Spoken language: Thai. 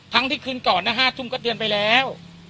ทั้งที่คืนก่อน๕ทุ่มก็เตือนไปแล้ว